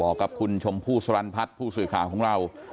บอกกับคุณชมผู้สลันพัดผู้สื่อข่าวของเรา